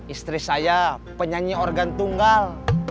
istri saya penyanyi organ tunggal